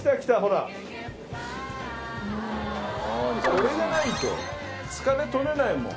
これじゃないと疲れ取れないもん。